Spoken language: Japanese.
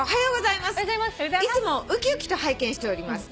「いつも浮き浮きと拝見しております」